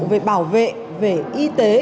về bảo vệ về y tế